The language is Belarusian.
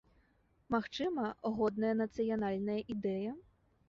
Магчыма, годная нацыянальная ідэя?